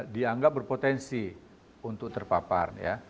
dianggap berpotensi untuk terpapar